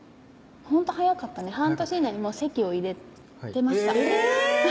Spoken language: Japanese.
ほんと早かったね半年以内に籍を入れてましたえぇ！